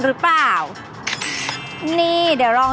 เพราะว่าผักหวานจะสามารถทำออกมาเป็นเมนูอะไรได้บ้าง